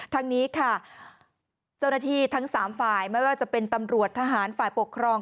ทั้งนี้ค่ะเจ้าหน้าที่ทั้ง๓ฝ่ายไม่ว่าจะเป็นตำรวจทหารฝ่ายปกครอง